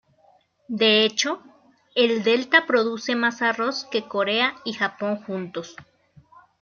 De hecho, el delta produce más arroz que Corea y Japón juntos.